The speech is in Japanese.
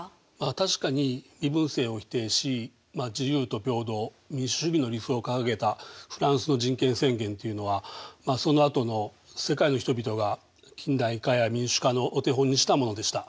確かに身分制を否定し自由と平等民主主義の理想を掲げたフランスの人権宣言っていうのはそのあとの世界の人々が近代化や民主化のお手本にしたものでした。